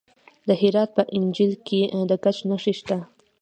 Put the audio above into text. د هرات په انجیل کې د ګچ نښې شته.